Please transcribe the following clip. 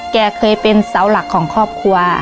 แกเคยเป็นเสาหลักของครอบครัว